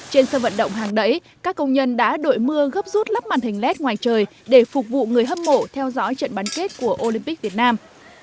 trên sân vận động hàng đẩy các công nhân đã đội mưa gấp rút lắp màn hình led ngoài trời để phục vụ người hâm mộ theo dõi trận bán kết của olympic việt nam